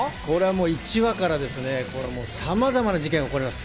１話からさまざまな事件が起こります。